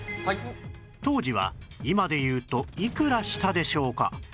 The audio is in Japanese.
当時は今で言うといくらしたでしょうか？